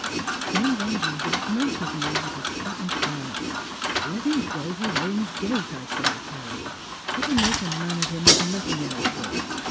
" John Van Duser smote his knee with his flattened palm, " Let him go his own gait, I say, Car rie. It'll make a man of him as nothing else will.